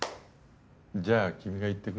じゃあ君が行ってくれる？